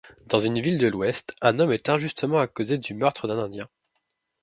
Dans une ville de l'Ouest, un homme est injustement accusé du meurtre d'un indien.